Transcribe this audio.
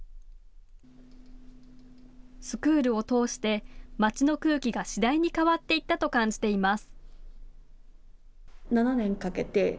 スクールを通して街の空気が次第に変わっていったと感じています。